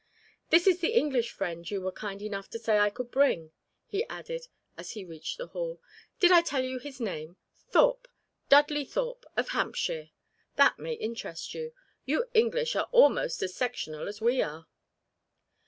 This is the English friend you were kind enough to say I could bring," he added as he reached the hall. "Did I tell you his name? Thorpe, Dudley Thorpe, of Hampshire. That may interest you. You English are almost as sectional as we are."